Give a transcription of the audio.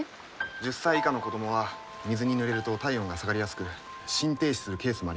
１０歳以下の子供は水にぬれると体温が下がりやすく心停止するケースもあります。